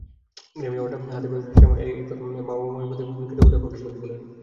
Grammy award হাতে পেয়ে স্যামও তাই প্রথমেই বাবা-মায়ের প্রতি কৃতজ্ঞতা জানাতে ভোলেননি।